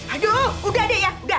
aduh sudah deh ya